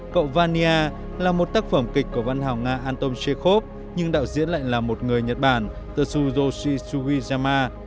cậu vania là một tác phẩm kịch của văn hóa nga anton chekhov nhưng đạo diễn lại là một người nhật bản tetsuyoshi sugiyama